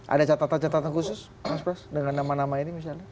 ada catatan catatan khusus mas pras dengan nama nama ini misalnya